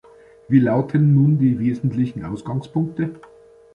Wie lauten nun die wesentlichen Ausgangspunkte?